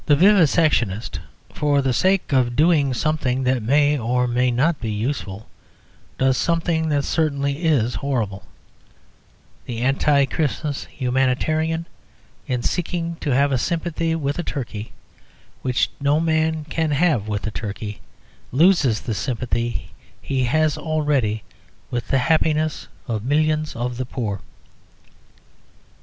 The vivisectionist, for the sake of doing something that may or may not be useful, does something that certainly is horrible. The anti Christmas humanitarian, in seeking to have a sympathy with a turkey which no man can have with a turkey, loses the sympathy he has already with the happiness of millions of the poor.